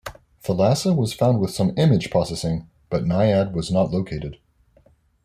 Thalassa was found with some image processing, but Naiad was not located.